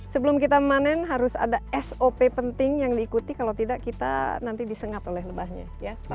sebelum kita memanen harus ada sop penting yang diikuti kalau tidak kita nanti disengat oleh lebahnya